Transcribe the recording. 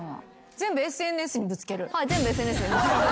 全部ＳＮＳにぶつける？